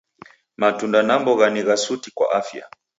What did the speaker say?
Matunda na mbogha ni gha suti kwa afya.